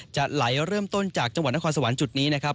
จะไหลเริ่มต้นจากจังหวัดนครสวรรค์จุดนี้นะครับ